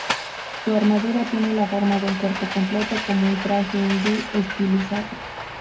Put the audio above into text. Su armadura tiene la forma de un cuerpo completo, como un traje hindú estilizado.